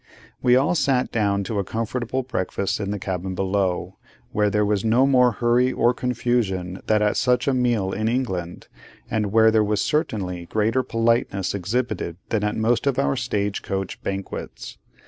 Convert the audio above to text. We all sat down to a comfortable breakfast in the cabin below, where there was no more hurry or confusion than at such a meal in England, and where there was certainly greater politeness exhibited than at most of our stage coach banquets.